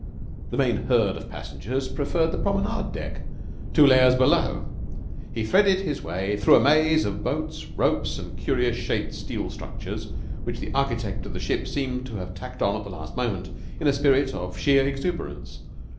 The main herd of passengers preferred the promenade deck, two layers below. He threaded his way through a maze of boats, ropes, and curious shaped steel structures which the architect of the ship seemed to have tacked on at the last moment in a spirit of sheer exuberance.